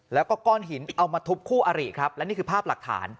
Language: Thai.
แล้วก็ก้อนหินเอามาทุบคู่อาริครับและนี่คือภาพหลักฐาน